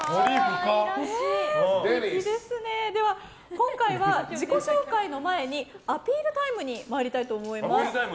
今回は自己紹介の前にアピールタイムに参りたいと思います。